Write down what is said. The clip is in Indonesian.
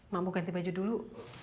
mak mau ganti baju dulu